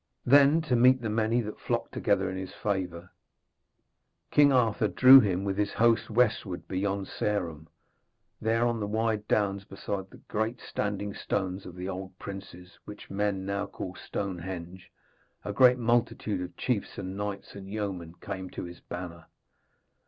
Then, to meet the many that flocked together in his favour, King Arthur drew him with his host westward beyond Sarum. There on the wide downs beside the great standing stones of the Old Princes, which men now call Stonehenge, a great multitude of chiefs and knights and yeomen came to his banner.